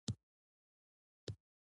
ځغاسته د وخت ارزښت ښووي